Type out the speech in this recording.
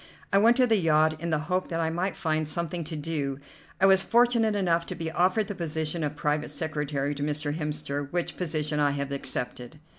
I went to the yacht in the hope that I might find something to do. I was fortunate enough to be offered the position of private secretary to Mr. Hemster, which position I have accepted."